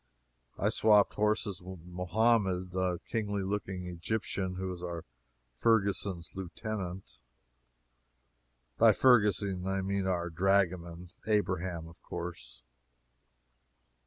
I swapped horses with Mohammed, the kingly looking Egyptian who is our Ferguson's lieutenant. By Ferguson I mean our dragoman Abraham, of course.